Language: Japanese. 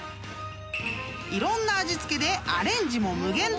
［いろんな味付けでアレンジも無限大！］